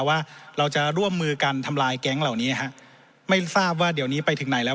ว่าเราจะร่วมมือกันทำลายแก๊งเหล่านี้ฮะไม่ทราบว่าเดี๋ยวนี้ไปถึงไหนแล้ว